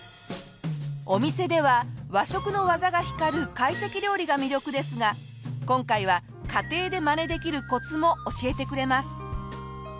お店では和食の技が光る懐石料理が魅力ですが今回は家庭でマネできるコツも教えてくれます。